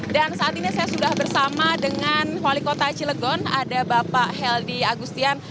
dan saat ini saya sudah bersama dengan wali kota cilegon ada bapak heldy agustian